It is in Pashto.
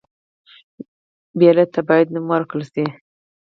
ویرې ته باید نوم ورکړل شي.